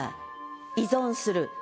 依存する。